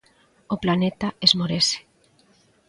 O Planeta esmorece.